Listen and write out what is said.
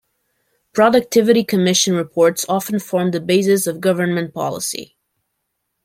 Productivity Commission reports often form the basis of government policy.